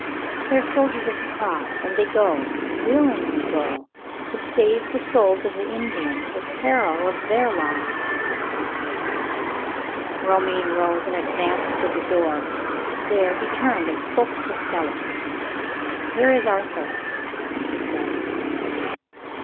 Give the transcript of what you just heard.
They are soldiers of the Cross; and they go willingly go to save the souls of the Indians, at the peril of their lives." Romayne rose, and advanced to the door. There, he turned, and spoke to Stella. "Where is Arthur?" he said.